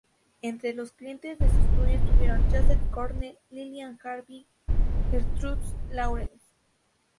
Entre los clientes de su estudio estuvieron Joseph Cornell, Lilian Harvey, Gertrude Lawrence.